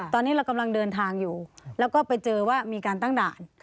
ตอนนี้เรากำลังเดินทางอยู่แล้วก็ไปเจอว่ามีการตั้งด่าน